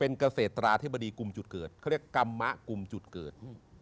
เป็นเกษตราธิบดีกลุ่มจุดเกิดเขาเรียกกรรมะกลุ่มจุดเกิด